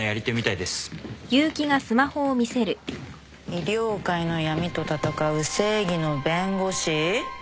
「医療界の闇と戦う正義の弁護士」？